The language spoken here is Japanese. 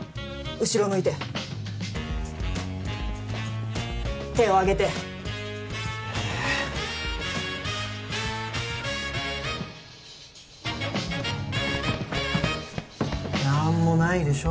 後ろを向いて手を上げてえっ何もないでしょ